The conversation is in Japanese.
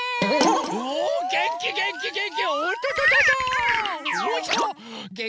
おげんきげんきげんき！